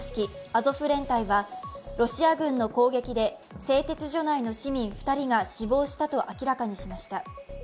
アゾフ連隊はロシア軍の攻撃で製鉄所内の市民２人が死亡したと明らかにしました。